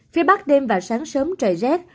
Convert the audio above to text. phía bắc đêm và sáng sớm trời rét